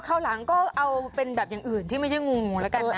ข้าวหลังก็เอาเป็นแบบอย่างอื่นที่ไม่ใช่งูแล้วกันนะ